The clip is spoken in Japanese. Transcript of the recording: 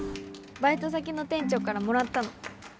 バイト先の店長からもらったの。